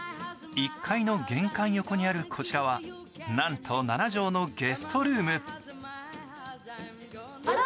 １階の玄関横にあるこちらはなんと７畳のゲストルームあら？